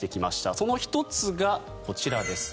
その１つがこちらです。